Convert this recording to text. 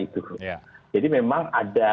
itu jadi memang ada